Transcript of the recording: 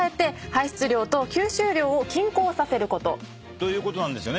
ということなんですよね。